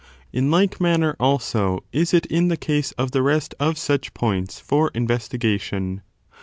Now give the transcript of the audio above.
In like manner, also, is it in the case of the rest of such points for investiga tion.